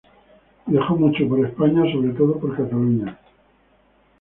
Viajó mucho por España, sobre todo por Cataluña.